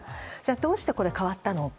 どうして変わったのか。